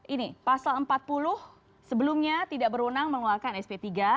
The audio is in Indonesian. ini pasal empat puluh sebelumnya tidak berwenang mengeluarkan sp tiga